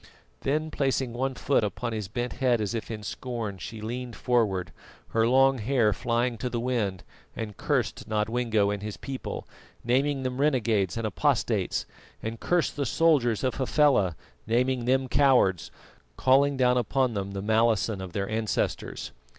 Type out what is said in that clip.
Then, placing one foot upon his bent head as if in scorn, she leaned forward, her long hair flying to the wind, and cursed Nodwengo and his people, naming them renegades and apostates, and cursed the soldiers of Hafela, naming them cowards, calling down upon them the malison of their ancestors.